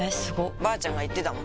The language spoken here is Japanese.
ばあちゃんが言ってたもん